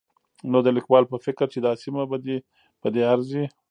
نو د ليکوال په فکر چې دا سيمه په دې ارځي